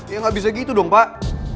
ya nggak bisa gitu dong pak